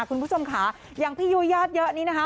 คุณผู้ชมค่ะอย่างพี่ยูญาติเยอะนี้นะคะ